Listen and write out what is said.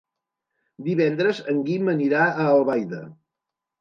Divendres en Guim anirà a Albaida.